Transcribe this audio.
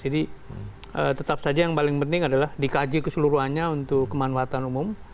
jadi tetap saja yang paling penting adalah dikaji keseluruhannya untuk kemanfaatan umum